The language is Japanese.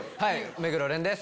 目黒蓮です